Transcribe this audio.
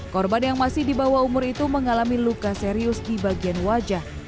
korban yang masih di bawah umur itu mengalami luka serius di bagian wajah